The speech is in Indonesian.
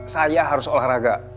saya harus olahraga